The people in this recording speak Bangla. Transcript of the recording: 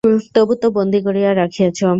তবু তো বন্দী করিয়া রাখিয়াছ।